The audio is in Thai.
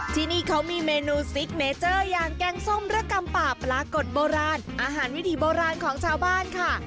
ที่นี่เขามีเมนูซิกเนเจอร์อย่างแกงส้มระกำป่าปลากดโบราณอาหารวิถีโบราณของชาวบ้านค่ะ